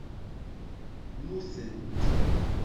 Mutent.